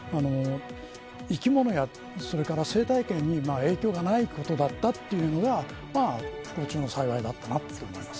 生き物や生態系に影響がないことだったというのは不幸中の幸いだったと思います。